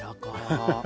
アハハハ。